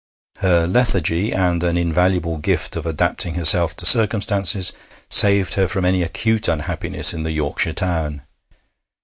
Her lethargy, and an invaluable gift of adapting herself to circumstances, saved her from any acute unhappiness in the Yorkshire town.